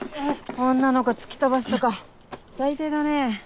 女の子突き飛ばすとか最低だね。